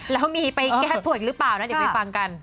แล้วมีไปแก้ตัวอีกหรือเปล่านะเดี๋ยวไปฟังกัน